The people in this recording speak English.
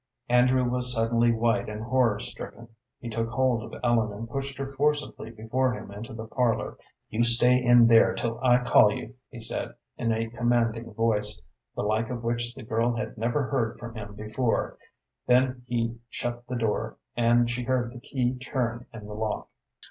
Andrew was suddenly white and horror stricken. He took hold of Ellen, and pushed her forcibly before him into the parlor. "You stay in there till I call you," he said, in a commanding voice, the like of which the girl had never heard from him before; then he shut the door, and she heard the key turn in the lock.